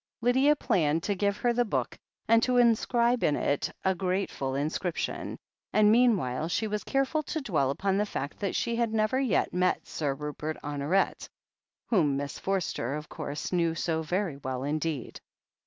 Lydia planned to give her the book, and to inscribe in it a grateful inscription, and meanwhile she was careful to dwell upon the fact that she had never yet met Sir Rupert Honoret — whom Miss Forster, of course, knew so very well indeed.